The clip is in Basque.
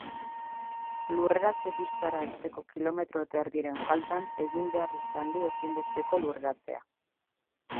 Lurreratze pistara heltzeko kilometro eta erdiren faltan egin behar izan du ezinbesteko lurreratzea.